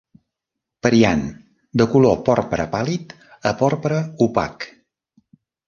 Periant de color porpra pàl·lid a porpra opac.